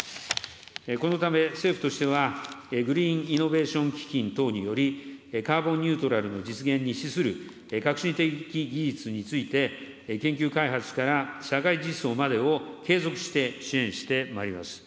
このため、政府としてはグリーンイノベーション基金等により、カーボンニュートラルの実現に資する革新的技術について、研究開発から社会実装までを継続して支援してまいります。